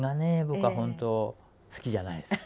僕は本当好きじゃないです。